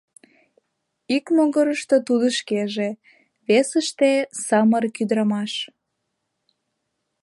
Ик могырышто тудо шкеже, весыште — самырык ӱдырамаш.